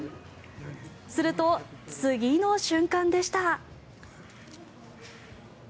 すると、次の瞬間でした。